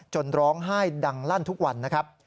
ร้องไห้ดังลั่นทุกวันนะครับ